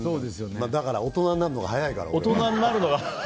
だから大人になるのが早いから。